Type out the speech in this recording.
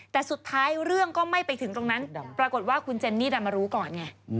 แต่สุดท้ายเรื่องก็ไม่ไปถึงตรงนั้นปรากฏว่าคุณเจนนี่ดันมารู้ก่อนไง